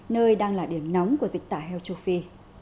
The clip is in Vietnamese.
nơi đang là điểm nóng của dịch tả heo châu phi